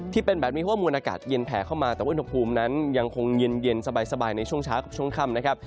ที่เป็นแบบนี้เพราะว่ามวลอากาศเย็นแผลเข้ามาแต่ว่าอุณหภูมินั้นยังคงเย็นสบายในช่วงเช้ากับช่วงค่ำนะครับ